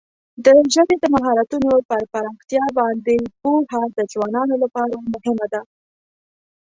د ژبې د مهارتونو پر پراختیا باندې پوهه د ځوانانو لپاره مهمه ده.